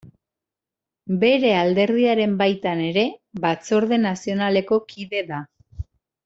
Bere alderdiaren baitan ere Batzorde Nazionaleko kide da.